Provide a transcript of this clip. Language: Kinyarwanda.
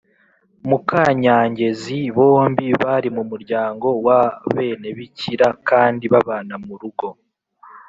mukanyangezi bombi bari mu muryango wa benebikira kandi babana mu rugo